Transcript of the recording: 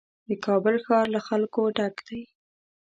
د کابل ښار له خلکو ډک دی.